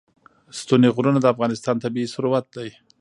ستوني غرونه د افغانستان طبعي ثروت دی.